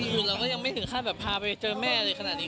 อยู่เราก็ยังไม่ถึงขั้นแบบพาไปเจอแม่อะไรขนาดนี้